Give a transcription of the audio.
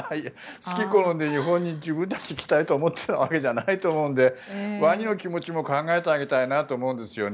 好き好んで日本に自分たち、来たいと思っているわけじゃないと思うのでワニの気持ちも考えてあげたいなと思うんですよね。